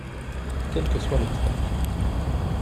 Quel que soit l'obstacle